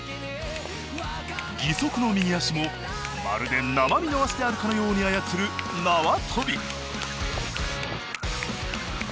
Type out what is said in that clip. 義足の右足もまるで生身の足であるかのように操る縄跳び。